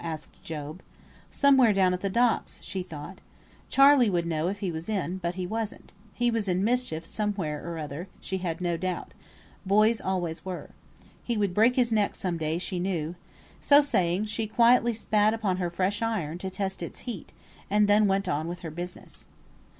asked Job. "Somewhere down at the docks," she thought. "Charley would know, if he was in, but he wasn't. He was in mischief, somewhere or other, she had no doubt. Boys always were. He would break his neck some day, she knew;" so saying, she quietly spat upon her fresh iron, to test its heat, and then went on with her business.